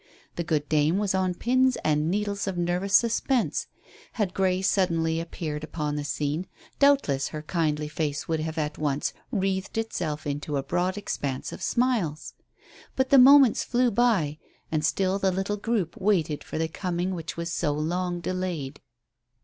The good dame was on pins and needles of nervous suspense. Had Grey suddenly appeared upon the scene doubtless her kindly face would have at once wreathed itself into a broad expanse of smiles. But the moments flew by and still the little group waited for the coming which was so long delayed.